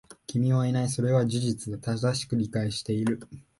君はいない。それは事実だ。正しく理解している。